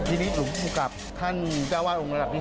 ที่นี้ถูกกับท่านเจ้าว่านองค์ระดับที่๕